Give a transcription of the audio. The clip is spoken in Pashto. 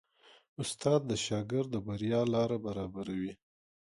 استاد د شاګرد د بریا لاره برابروي.